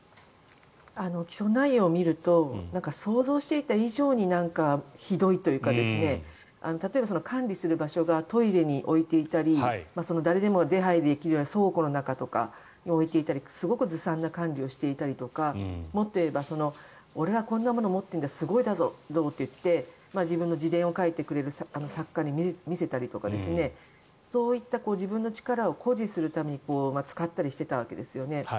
起訴内容を見ると想像していた以上にひどいというかですね例えば、管理する場所がトイレに置いていたり誰でも出入りできるような倉庫の中に置いていたりすごくずさんな管理をしていたりとかもっと言えば俺はこんなものを持っているんだすごいんだぞと言って自分の自伝を書いてくれる作家に見せたりとか、そういった自分の力を誇示するために使ったりしていたわけですよね。